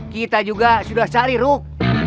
kita juga sudah cari ruh